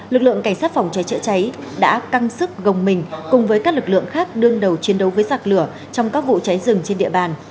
lực lượng cảnh sát phòng cháy chữa cháy đã căng sức gồng mình cùng với các lực lượng khác đương đầu chiến đấu với giặc lửa trong các vụ cháy rừng trên địa bàn